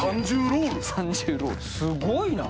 すごいな。